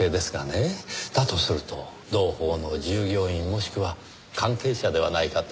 だとすると同胞の従業員もしくは関係者ではないかと。